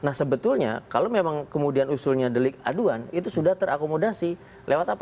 nah sebetulnya kalau memang kemudian usulnya delik aduan itu sudah terakomodasi lewat apa